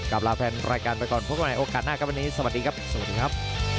ลาแฟนรายการไปก่อนพบกันในโอกาสหน้าครับวันนี้สวัสดีครับสวัสดีครับ